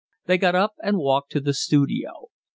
They got up and walked to the studio.